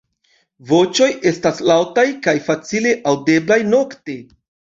Voĉoj estas laŭtaj kaj facile aŭdeblaj nokte.